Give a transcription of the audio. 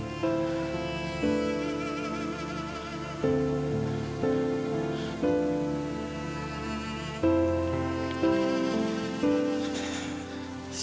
saya memang bukan siapa siapanya lara non